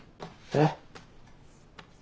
えっ。